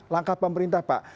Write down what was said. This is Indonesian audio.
langkah pemerintah pak